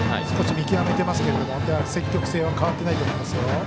見極めてますけど、積極性は変わっていないと思いますよ。